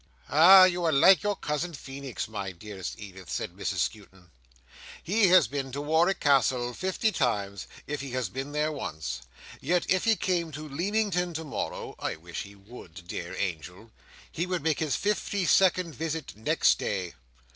"Ah! You are like your cousin Feenix, my dearest Edith," said Mrs Skewton. "He has been to Warwick Castle fifty times, if he has been there once; yet if he came to Leamington to morrow—I wish he would, dear angel!—he would make his fifty second visit next day."